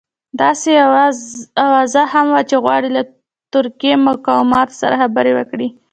داسې اوازه هم وه چې غواړي له ترکي مقاماتو سره خبرې وکړي.